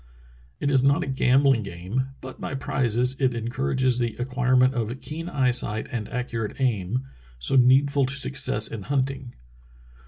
It is not a gambhng game, but by prizes it encourages the acquirement of keen eyesight and accurate aim, so needful to success in hunting.